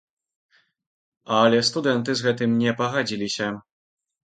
Але студэнты з гэтым не пагадзіліся.